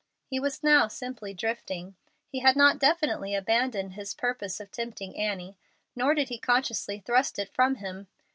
He was now simply drifting. He had not definitely abandoned his purpose of tempting Annie, nor did he consciously thrust it from him.